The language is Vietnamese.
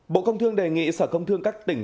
bộ công thương đề nghị sở công thương các tỉnh